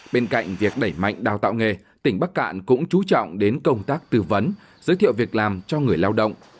bên cạnh việc đẩy mạnh đào tạo nghề tỉnh bắc cạn cũng chú trọng đến công tác tư vấn giới thiệu việc làm cho người lao động